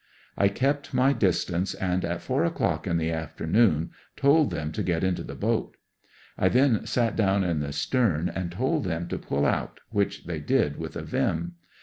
I kept my distance, and at four o'clock in the af ternoon told them to get into the boat. I then sat down in the stern and told them to pull out, which they did with a vim.